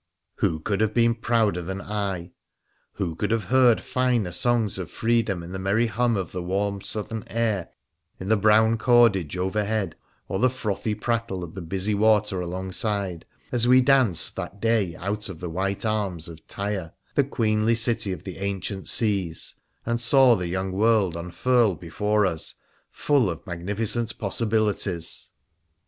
Who could have been prouder than I ?— who could have heard finer songs of freedom in the merry hum of the warm southern air in the brown cordage overhead, or the frothy prattle of the busy water alongside, as we danced that day out of the white arms of Tyre, the queenly city of the ancient seas, and saw the young world unfurl before us, full of magnificent possibilities